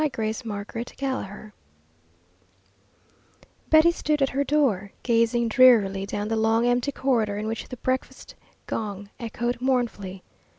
GRACE MARGARET GALLAHER Betty stood at her door, gazing drearily down the long, empty corridor in which the breakfast gong echoed mournfully.